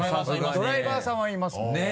ドライバーさんはいますねねぇ。